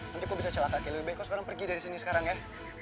nanti kau bisa celaka kay lebih baik kau sekarang pergi dari sini sekarang ya